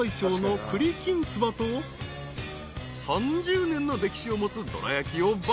［３０年の歴史を持つどら焼きを爆買い］